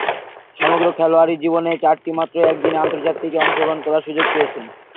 সমগ্র খেলোয়াড়ী জীবনে চারটিমাত্র একদিনের আন্তর্জাতিকে অংশগ্রহণ করার সুযোগ পেয়েছেন।